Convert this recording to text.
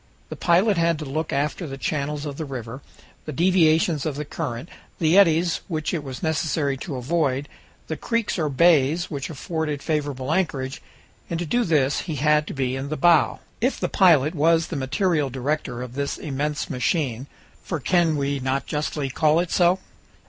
The pilot had to look after the channels of the river, the deviations of the current, the eddies which it was necessary to avoid, the creeks or bays which afforded favorable anchorage, and to do this he had to be in the bow. If the pilot was the material director of this immense machine for can we not justly call it so?